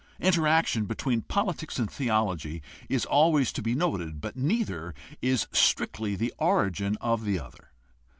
Interaction between politics and theology is always to be noted, but neither is strictly the origin of the other.